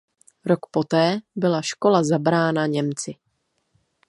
Rok poté byla škola zabrána Němci.